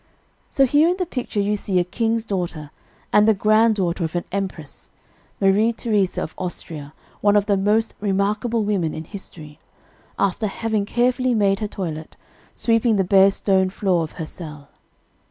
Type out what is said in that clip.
"So here in the picture you see a king's daughter, and the granddaughter of an empress (Marie Theresa of Austria, one of the most remarkable women in history), after having carefully made her toilet, sweeping the bare stone floor of her cell.